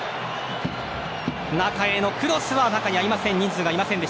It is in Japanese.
中へのクロスは中に合いません。